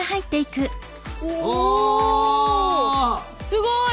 すごい！